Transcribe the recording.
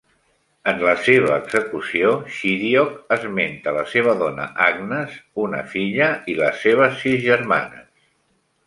En la seva execució Chidiock esmenta la seva dona Agnes, una filla i les seves sis germanes.